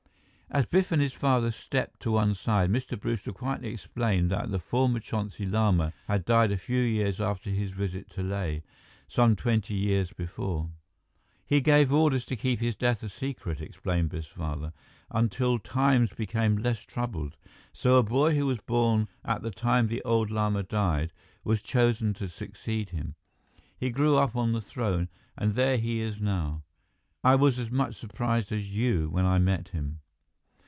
As Biff and his father stepped to one side, Mr. Brewster quietly explained that the former Chonsi Lama had died a few years after his visit to Leh, some twenty years before. "He gave orders to keep his death a secret," explained Biff's father, "until times became less troubled. So a boy who was born at the time the old Lama died was chosen to succeed him. He grew up on the throne, and there he is now. I was as much surprised as you when I met him."